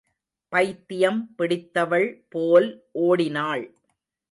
பைத்தியம் பிடித்தவள் போல் ஓடினாள்.